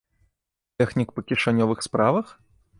Тэхнік па кішанёвых справах?